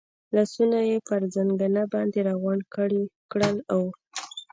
لاسونه یې پر زنګانه باندې را غونډ کړل، اوه.